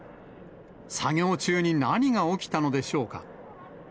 作業中に何が起きたのでしょうか。